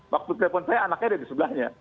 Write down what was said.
waktu telpon saya anaknya ada di sebelahnya